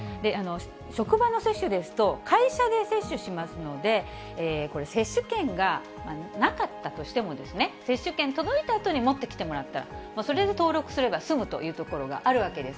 職場の接種ですと、会社で接種しますので、これ、接種券がなかったとしてもですね、接種券届いたあとに持ってきてもらったら、それで登録すれば住むというところがあるわけです。